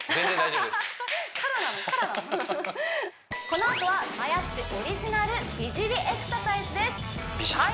このあとはマヤっちオリジナル美尻エクササイズですはい